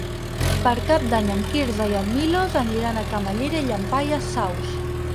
Per Cap d'Any en Quirze i en Milos aniran a Camallera i Llampaies Saus.